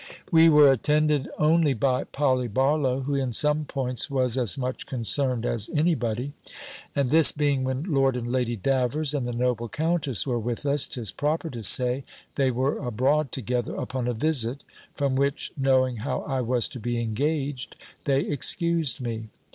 We were attended only by Polly Barlow, who in some points was as much concerned as any body. And this being when Lord and Lady Davers, and the noble Countess, were with us, 'tis proper to say, they were abroad together upon a visit, from which, knowing how I was to be engaged, they excused me.